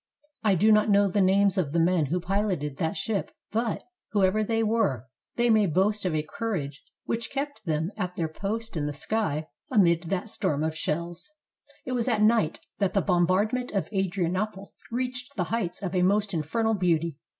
I do not know the names of the men who piloted that ship, but, whoever they were, they may boast of a courage which kept them at their post in the sky amid that storm of shells. 438 THE SIEGE OF ADRIANOPLE It was at night that the bombardment of Adrianople reached the heights of a most infernal beauty.